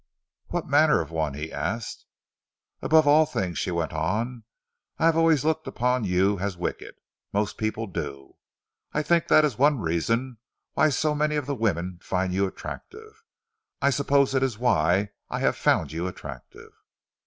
"What manner of one?" he asked. "Above all things," she went on, "I have always looked upon you as wicked. Most people do. I think that is one reason why so many of the women find you attractive. I suppose it is why I have found you attractive."